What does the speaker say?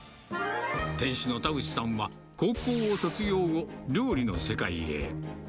店主の田口さんは、高校を卒業後、料理の世界へ。